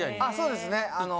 あそうですね。